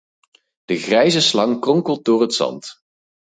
De grijze slang kronkelt door het zand.